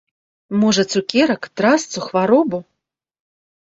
Можа, цукерак, трасцу, хваробу?